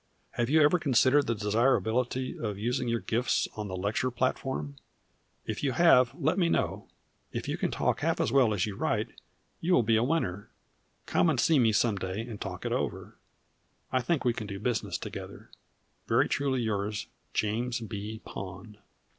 Have you ever considered the desirability of using your gifts on the lecture platform? If you have, let me know. If you can talk half as well as you write, you will be a winner. Come and see me some day and talk it over. I think we can do business together. Very truly yours, JAMES B. POND.